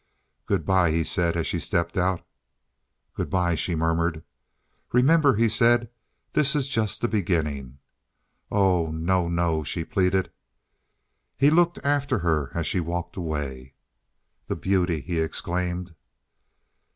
"Good by," he said as she stepped out. "Good by," she murmured. "Remember," he said, "this is just the beginning." "Oh no, no!" she pleaded. He looked after her as she walked away. "The beauty!" he exclaimed.